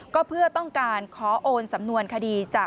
ก็เพื่อต้องการขอโอนสำนวนคดี